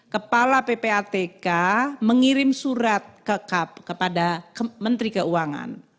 kepala ppatk mengirim surat kepada menteri keuangan